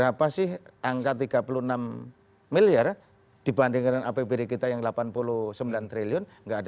berapa sih angka tiga puluh enam miliar dibandingkan dengan apbd kita yang delapan puluh sembilan triliun